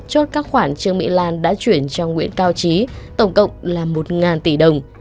chốt các khoản trương mỹ lan đã chuyển cho nguyễn cao trí tổng cộng là một tỷ đồng